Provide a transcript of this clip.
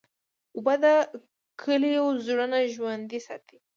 اوبه د کلیو زړونه ژوندی ساتي.